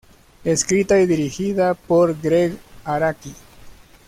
Escrita y dirigida por Gregg Araki.